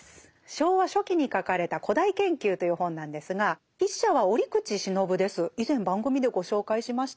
昭和初期に書かれた「古代研究」という本なんですが筆者は折口信夫です。